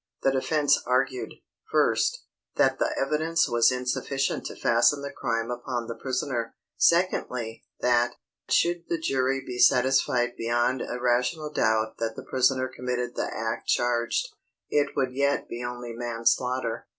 The defence argued, first, that the evidence was insufficient to fasten the crime upon the prisoner; secondly, that, should the jury be satisfied beyond a rational doubt that the prisoner committed the act charged, it would yet be only manslaughter.